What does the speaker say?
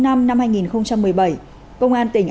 năm hai nghìn một mươi bảy công an tỉnh